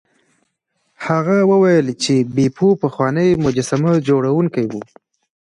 هغه وویل چې بیپو پخوانی مجسمه جوړونکی و.